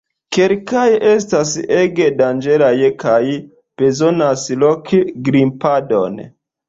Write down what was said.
Kelkaj estas ege danĝeraj kaj bezonas rok-grimpadon.